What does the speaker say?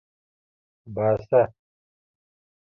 باسه